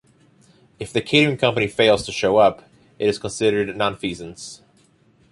If the catering company fails to show up, it is considered nonfeasance.